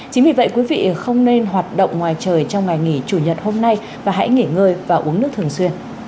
chính vì vậy quý vị không nên hoạt động ngoài trời trong ngày nghỉ chủ nhật hôm nay và hãy nghỉ ngơi và uống nước thường xuyên